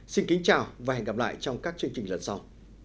xin kính chào và hẹn gặp lại trong các chương trình lần sau